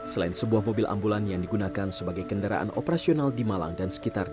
selain sebuah mobil ambulan yang digunakan sebagai kendaraan operasional di malang dan sekitar